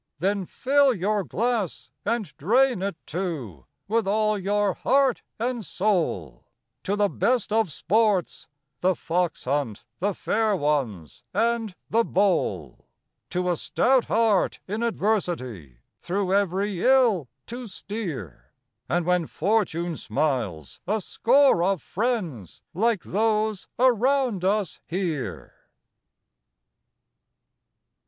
Then fill your glass, and drain it, too, with all your heart and soul, To the best of sports The Fox hunt, The Fair Ones, and The Bowl, To a stout heart in adversity through every ill to steer, And when Fortune smiles a score of friends like those around us here.